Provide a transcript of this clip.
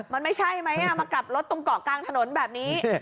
มันไม่ใช่ไหมมากลับรถตรงเกาะกลางถนนแบบนี้